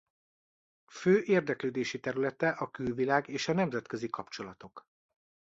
Fő érdeklődési területe a külvilág és a nemzetközi kapcsolatok.